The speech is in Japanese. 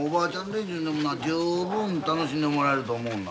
連中にも十分楽しんでもらえると思うんな。